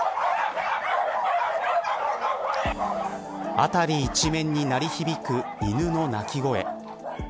辺り一面に鳴り響く犬の鳴き声。